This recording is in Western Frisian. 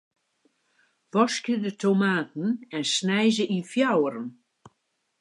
Waskje de tomaten en snij se yn fjouweren.